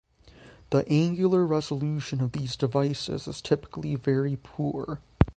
The angular resolution of these devices is typically very poor.